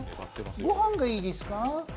ご飯がいいですか？